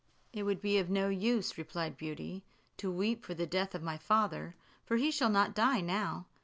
"It would be of no use," replied Beauty, "to weep for the death of my father, for he shall not die now.